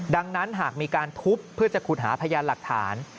ดังนั้นหากมีการทุบเพื่อจะขุดหาพยานหลักฐาน